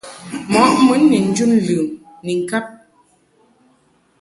Mɔʼ mun ni njun ləm ni ŋkab .